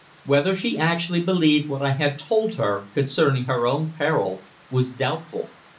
Whether she actually believed what I had told her concerning her own peril was doubtful.